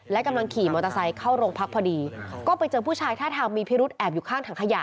และกำลังขี่มอเตอร์ไซค์เข้าโรงพักพอดีก็ไปเจอผู้ชายท่าทางมีพิรุษแอบอยู่ข้างถังขยะ